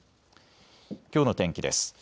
きょうの天気です。